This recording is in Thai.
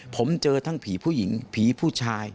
ผมเจอทั้งผีผู้หญิงผีผู้ชาย